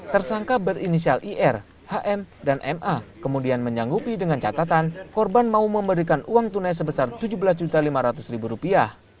tersangka berinisial ir hm dan ma kemudian menyanggupi dengan catatan korban mau memberikan uang tunai sebesar tujuh belas lima ratus rupiah